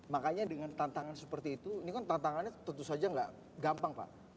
makanya dengan tantangan seperti itu ini kan tantangannya tentu saja nggak gampang pak